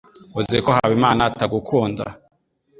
Uzi ko Habimana atagukunda?